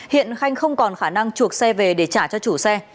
hiện khanh không còn khả năng chuộc xe về để trả cho chủ xe